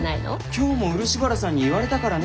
今日も漆原さんに言われたからね。